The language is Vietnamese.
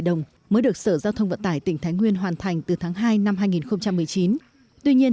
đồng mới được sở giao thông vận tải tỉnh thái nguyên hoàn thành từ tháng hai năm hai nghìn một mươi chín tuy nhiên